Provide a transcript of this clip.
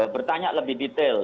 bertanya lebih detail